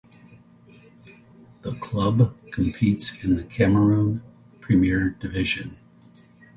The club competes in the Cameroon Premiere Division.